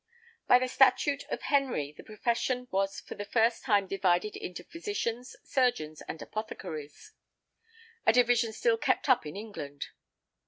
By the statute of Henry the profession was for the first time divided into physicians, surgeons and apothecaries: a division still kept up in England.